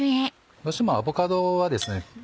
どうしてもアボカドはですね